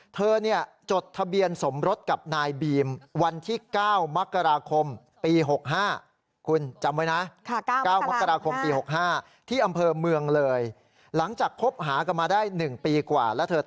เธอเนี่ยจดทะเบียนสมรสกับนายบีมวันที่เก้ามกราคมปีหกห้า